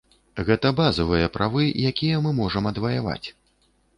Гэта базавыя правы, якія мы можам адваяваць.